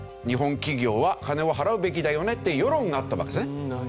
日本企業は金を払うべきだよねって世論があったわけですね。